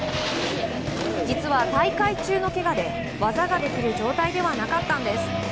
実は、大会中のけがで技ができる状態ではなかったんです。